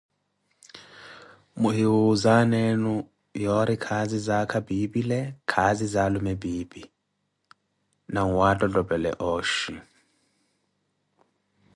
Muhiwuuze aana enu yoori, khaazi za aakha pipile, khaazi za alume piipi, nwattottopele ooxhi.